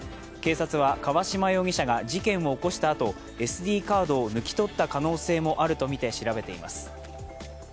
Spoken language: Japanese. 警察は川島容疑者が事件を起こしたあとＳＤカードを抜き取った可能性もあるとみて調べています。